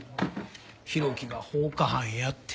浩喜が放火犯やって。